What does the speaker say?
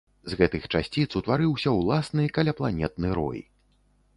З гэтых часціц утварыўся ўласны каляпланетны рой.